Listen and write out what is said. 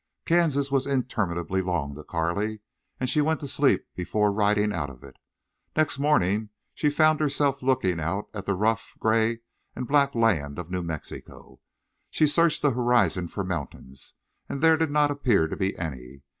Kansas was interminably long to Carley, and she went to sleep before riding out of it. Next morning she found herself looking out at the rough gray and black land of New Mexico. She searched the horizon for mountains, but there did not appear to be any.